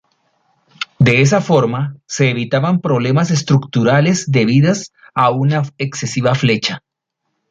De esa forma, se evitaban problemas estructurales debidas a una excesiva flecha.